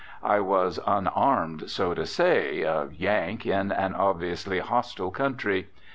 I was unarmed, so to say a "Yank" in an obviously hostile country.